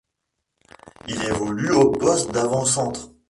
Il évolue au poste d'avant centre.